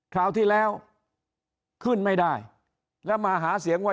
คราวที่แล้วขึ้นไม่ได้